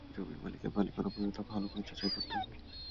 বিশেষ করে জমির মালিকের মালিকানা বৈধতা ভালো করে যাচাই করতে হবে।